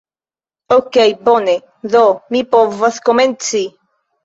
Okej' bone, do mi povas komenci